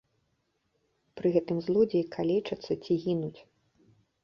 Пры гэтым злодзеі калечацца ці гінуць.